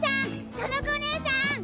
園子おねえさん！